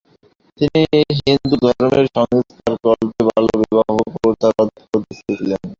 তিনি হিন্দুধর্মের সংস্কার কল্পে বাল্যবিবাহ প্রথা রদ করতে চেয়েছিলেন।